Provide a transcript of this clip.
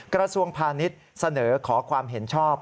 กระทรวงพาณิชย์เสนอขอความเห็นชอบ